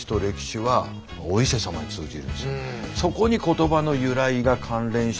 そこに言葉の由来が関連して。